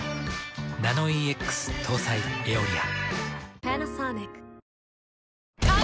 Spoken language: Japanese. ナノイーＸ搭載「エオリア」。